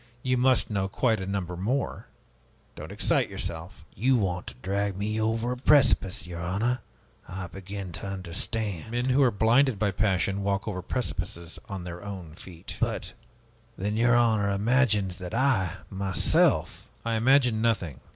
You must know quite a number more. Don't excite yourself." "You want to drag me over a precipice, your honor! I begin to understand!" "Men who are blinded by passion walk over precipices on their own feet." "But then your honor imagines that I, myself " "I imagine nothing.